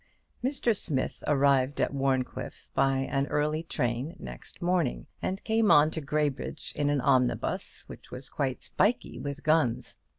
Mr. Smith arrived at Warncliffe by an early train next morning, and came on to Graybridge in an omnibus, which was quite spiky with guns.